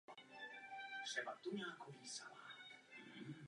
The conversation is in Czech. Tak jste nyní přerušili jednání s plukovníkem Kaddáfím?